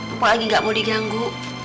empo lagi gak mau diganggu